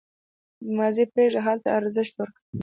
• ماضي پرېږده، حال ته ارزښت ورکړه.